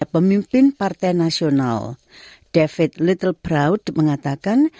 pemimpin partai nasional david littleproud mengatakan